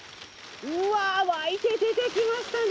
うわー、湧いて出てきましたね。